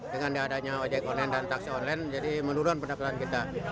dengan diadanya ojek online dan taksi online jadi menurun pendapatan kita